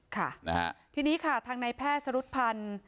ค่ะที่นี้ค่ะทางนายแพทย์สรุษภัณฑ์